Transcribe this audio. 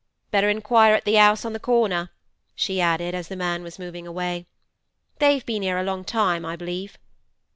'Better inquire at the 'ouse at the corner,' she added, as the man was moving away. 'They've been here a long time, I b'lieve.